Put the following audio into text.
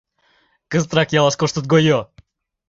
Кызытрак ялыш коштыт гойо.